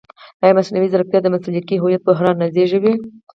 ایا مصنوعي ځیرکتیا د مسلکي هویت بحران نه زېږوي؟